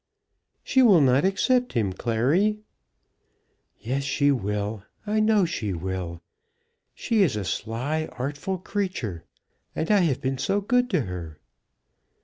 "She will not accept him, Clary." "Yes, she will. I know she will. She is a sly, artful creature. And I have been so good to her."